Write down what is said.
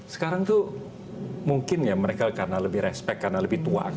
sekarang tuh mungkin ya mereka karena lebih respect karena lebih tua